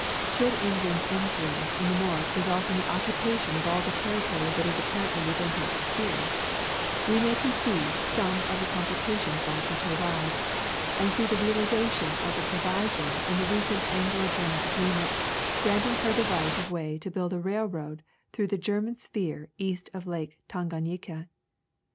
>Should England's influence in the north result in the occupation of all the territory that is appar ently within her " sphere," we may conceive some of the com plications likely to arise, and see the realization of the proviso in the recent Anglo German agreement granting her the right of way to build a railroad through the German sphere east of Lake Tanganyika.